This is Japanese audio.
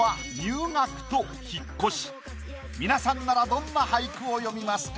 皆さんならどんな俳句を詠みますか？